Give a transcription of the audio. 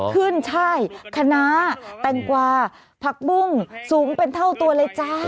ช่ายคณะแตงกวาผักบุ้งสูงเป็นเท่าตัวเลยจ้า